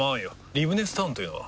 リブネスタウンというのは？